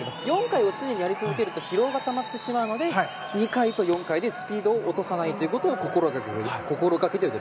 ４回を常にやると疲労がたまってしまうので２回と４回でスピードを落とさないことを心がけている。